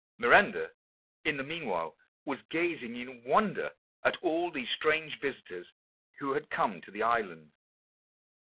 Miranda in the meanwhile was gazing in wonder at all these strange visitors who had come to the island.